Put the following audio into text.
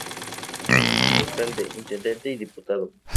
Alcalde, intendente y diputado.